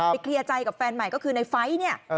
เคลียร์ใจกับแฟนใหม่ก็คือในไฟล์เนี่ย